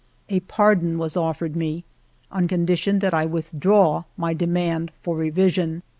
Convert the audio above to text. A pardon was offered me, on condition that I withdraw my demand for revision.